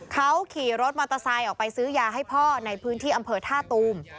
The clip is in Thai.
เขาขี่รถมอเตอร์ไซค์ออกไปซื้อยาให้พ่อในพื้นที่อำเภอท่าตูม